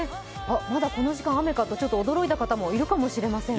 まだこの時間、雨かと驚いた方もいるかもしれませんね。